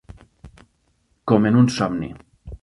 Com en un somni.